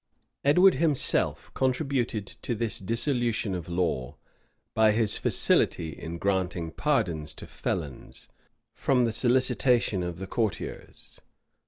[] Edward himself contributed to this dissolution of law, by his facility in granting pardons to felons, from the solicitation of the courtiers.